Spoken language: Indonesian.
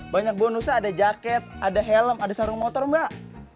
banyak bonusnya ada jaket ada helm ada sarung motor mbak